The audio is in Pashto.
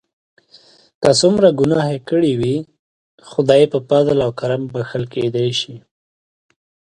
که څومره ګناه کړي وي خدای په فضل او کرم بښل کیدای شي.